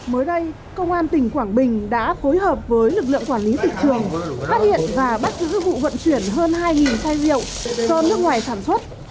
mới đây công an tỉnh quảng bình đã phối hợp với lực lượng quản lý thị trường phát hiện và bắt giữ vụ vận chuyển hơn hai chai rượu do nước ngoài sản xuất